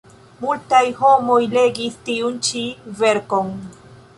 Multaj homoj legis tiun ĉi verkon.